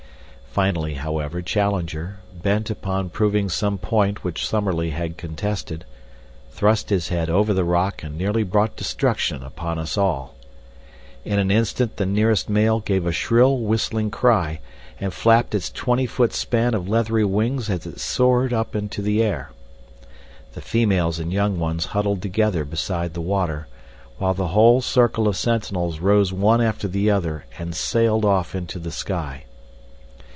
Finally, however, Challenger, bent upon proving some point which Summerlee had contested, thrust his head over the rock and nearly brought destruction upon us all. In an instant the nearest male gave a shrill, whistling cry, and flapped its twenty foot span of leathery wings as it soared up into the air. The females and young ones huddled together beside the water, while the whole circle of sentinels rose one after the other and sailed off into the sky.